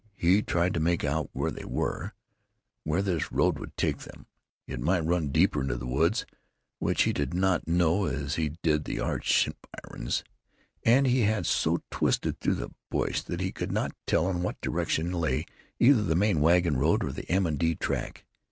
He tried to make out where they were—where this road would take them. It might run deeper into the woods, which he did not know as he did the Arch environs; and he had so twisted through the brush that he could not tell in what direction lay either the main wagon road or the M. & D. track.